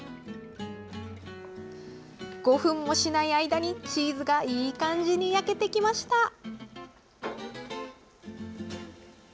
５分もしない間に、チーズがいい感じに焼けてきました。